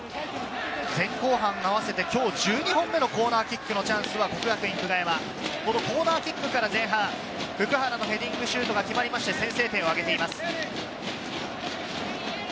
前後半合わせて今日１２本目のコーナーキックのチャンスは國學院久我山、コーナーキックから前半、普久原のヘディングシュートが決まりまして先制点を挙げています。